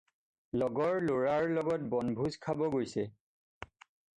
লগৰ ল'ৰাৰ লগত বনভোজ খাব গৈছে।